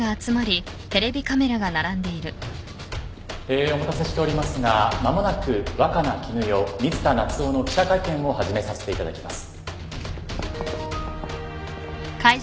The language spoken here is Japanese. えお待たせしておりますが間もなく若菜絹代水田夏雄の記者会見を始めさせていただきます。